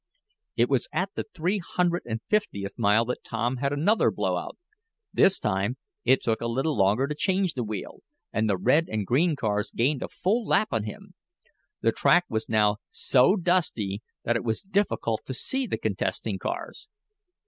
It was at the three hundred and fiftieth mile that Tom had another blow out. This time it took a little longer to change the wheel, and the red and green cars gained a full lap on him. The track was now so dusty that it was difficult to see the contesting cars.